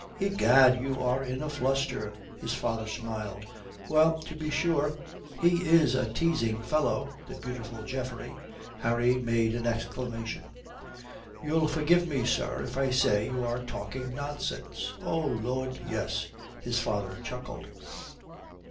"Egad, you are in a fluster," his father smiled. "Well, to be sure, he is a teasing fellow, the beautiful Geoffrey." Harry made an exclamation. "You'll forgive me, sir, if I say you are talking nonsense." "Oh Lud, yes," his father chuckled.